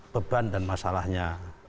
beban dan masalahnya